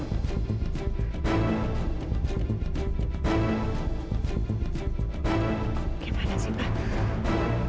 gimana sih pak